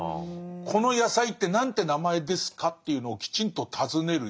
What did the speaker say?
「この野菜って何て名前ですか？」というのをきちんと尋ねるように。